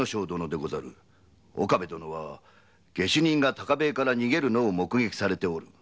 岡部殿は下手人が高塀から逃げるのを目撃されておる。